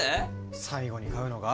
最後に買うのが？